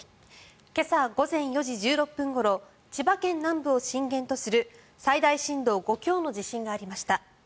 今朝午前４時１６分ごろ千葉県南部を震源とする最大震度５強の地震がありました。